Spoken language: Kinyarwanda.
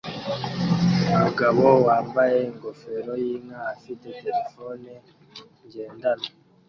Umugabo wambaye ingofero yinka afite terefone ngendanwa